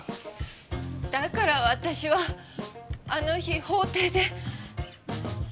だから私はあの日法廷で。